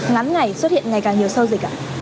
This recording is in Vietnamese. ngắn ngày xuất hiện ngày càng nhiều sâu dịch ạ